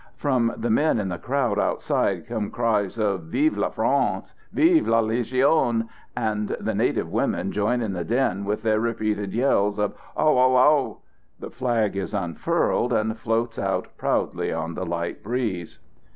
From the men in the crowd outside come cries of "Vive la France!" "Vive la Légion!" And the native women join in the din with their repeated yells of "How! How! How!" The flag is unfurled, and floats out proudly on the light breeze.